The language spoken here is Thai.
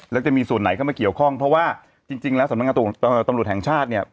แล้วจะมีส่วนไหนเข้ามาเกี่ยวข้องเพราะว่าจริงแล้วสำนักงานตำรวจแห่งชาติเนี่ย